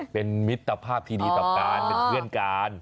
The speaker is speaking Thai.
เป็นมิตรภาพที่ดีต่อการเป็นเพื่อนกัน